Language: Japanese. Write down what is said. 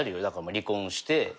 だから離婚して。